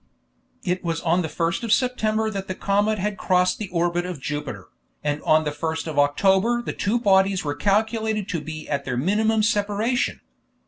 It was on the 1st of September that the comet had crossed the orbit of Jupiter, and on the 1st of October the two bodies were calculated to be at their minimum separation.